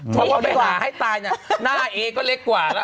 เพราะว่าไปหาให้ตายนะหน้าเอก็เล็กกว่า